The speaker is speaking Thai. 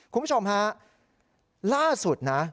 คุณผู้ชมฮะล่าสุดนะ